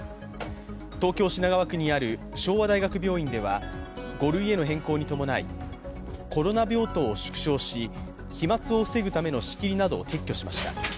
東京・品川区にある昭和大学病院では５類への変更に伴いコロナ病棟を縮小し、飛まつを防ぐための仕切りなどを撤去しました。